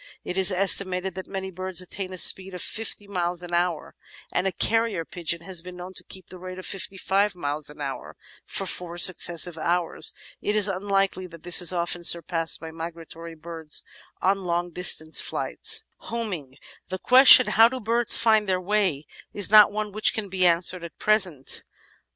It is estimated that many birds attain a speed of fifty miles an hour, and a carrier pigeon has been known to keep up the rate of fifty five miles an hour for four successive hours. It is unlikely that this is often surpassed by migratory birds on long distance flights. "Homing" The question "How do birds find their way?" is not one which can be answered at present.